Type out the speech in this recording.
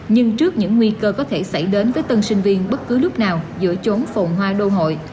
nhưng trước những nguy cơ có thể xảy đến với tân sinh viên bất cứ lúc nào giữa trốn phồn hoa đô hội